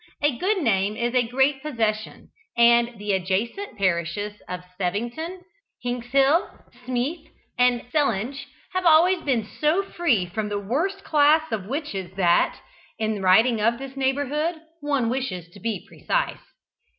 A good name is a great possession, and the adjacent parishes of Sevington, Hinxhill, Smeeth and Sellinge have always been so free from the worst class of witches that, in writing of this neighbourhood, one wishes to be precise.